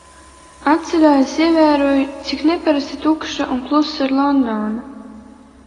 Atceļā es ievēroju, cik nepierasti tukša un klusa ir Londona.